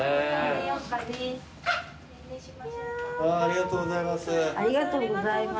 ありがとうございます。